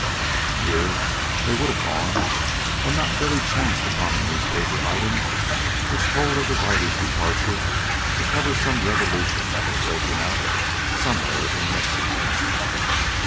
And here they would have gone, had not Billy chanced upon a newspaper item which told of the writer's departure to cover some revolution that was breaking out somewhere in Mexico.